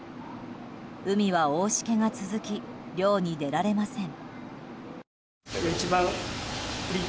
海は大しけが続き漁に出られません。